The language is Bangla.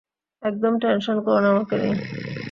একদম টেনশন করো না আমাকে নিয়ে!